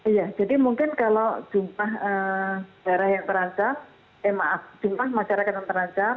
iya jadi mungkin kalau jumlah daerah yang terancam eh maaf jumlah masyarakat yang terancam